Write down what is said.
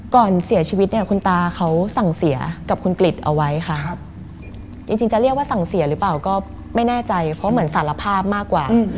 ก่อนเสียชีวิตเนี่ยคุณตาเขาสั่งเสียกับคุณกริจเอาไว้ค่ะจริงจะเรียกว่าสั่งเสียหรือเปล่าก็ไม่แน่ใจเพราะเหมือนสารภาพมากกว่า